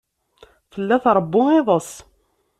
Tella tṛewwu iḍes.